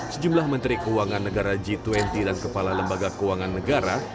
sejumlah menteri keuangan negara g dua puluh dan kepala lembaga keuangan negara